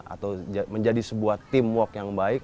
atau menjadi sebuah teamwork yang baik